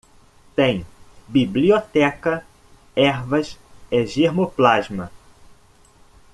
Tem biblioteca, ervas e germoplasma.